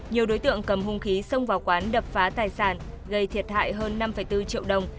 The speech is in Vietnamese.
nhiều đối tượng cầm hung khí xông vào quán đập phá tài sản gây thiệt hại hơn năm bốn triệu đồng